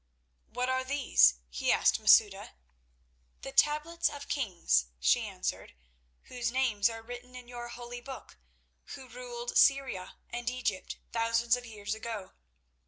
"What are these?" he asked Masouda. "The tablets of kings," she answered, "whose names are written in your holy book, who ruled Syria and Egypt thousands of years ago.